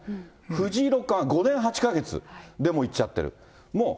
藤井六冠は５年８か月でもう行っちゃってる。